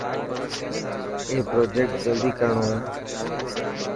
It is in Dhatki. اي پرجيڪٽ جلدي ڪرڻو هي.